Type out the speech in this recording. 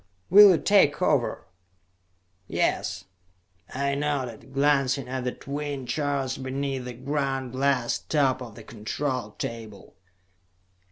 "Will you take over?" "Yes," I nodded, glancing at the twin charts beneath the ground glass top of the control table.